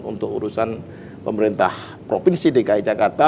untuk urusan pemerintah provinsi dki jakarta